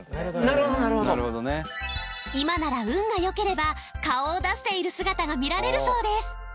なるほどなるほど今なら運がよければ顔を出している姿が見られるそうです